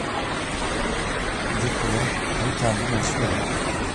Découvert à Ytterby en Suède.